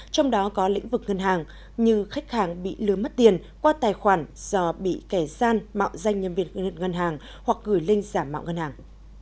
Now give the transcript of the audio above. trong đó có lĩnh vực ngân hàng như khách hàng bị lướm mất tiền qua tài khoản do bị kẻ gian mạo danh nhân viên ngân hàng hoặc gửi linh giảm mạo ngân hàng